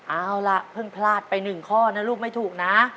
เอาล่ะเพิ่งพลาดไป๑ข้อนะลูกไม่ถูกนะ